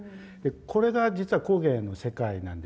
これが実は工芸の世界なんですよ。